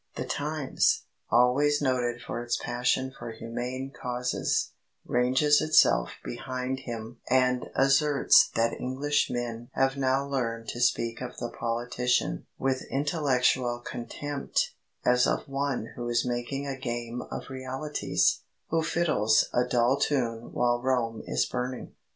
The Times, always noted for its passion for humane causes, ranges itself behind him and asserts that Englishmen have now learned to speak of the politician "with intellectual contempt, as of one who is making a game of realities, who fiddles a dull tune while Rome is burning."